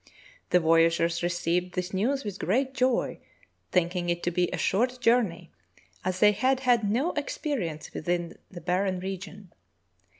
The voyageurs received this news with great joy, think ing it to be a short journey, as they had had no experi ence with the barren region.